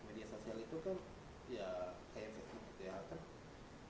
media sosial itu kan ya kayak facebook gitu ya kan